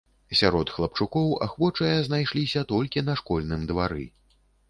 Сярод хлапчукоў ахвочыя знайшліся толькі на школьным двары.